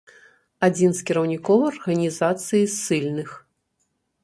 Адзін з кіраўнікоў арганізацыі ссыльных.